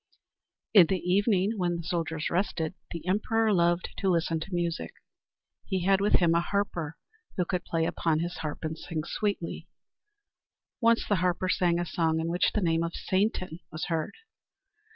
In the evening when the soldiers rested, the emperor loved to listen to music. He had with him a harper who would play upon his harp and sing sweetly. Once the harper sang a song in which the name of Satan was heard.